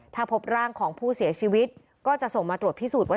ถ้าพบร่างของผู้เสียชีวิตก็จะส่งมาตรวจพิสูจน์ว่า